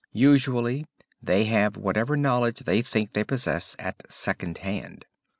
Usually they have whatever knowledge they think they possess, at second hand.